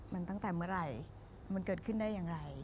มันตั้งแต่เมื่อไหร่มันเกิดขึ้นได้อย่างไร